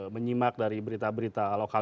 menyimak dari berita berita lokal